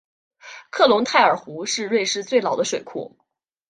克隆泰尔湖是瑞士最老的水库。